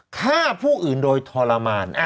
ฆ่าผู้อื่นโดยทรมาน